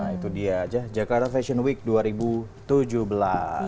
jadi sementara ada layak seperti ini ada nomorang yang shr jonathan di sekitar g camera klic